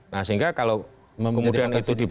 nah sehingga kalau kemudian itu dibuka